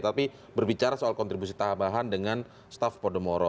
tapi berbicara soal kontribusi tambahan dengan staff podomoro